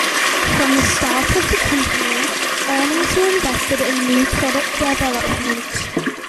From the start of the company, earnings were invested in new product development.